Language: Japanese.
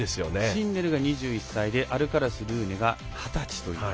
シンネルが２１歳でアルカラスとルーネが二十歳という。